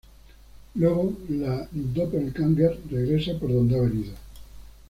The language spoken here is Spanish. Luego la doppelgänger regresa por donde ha venido.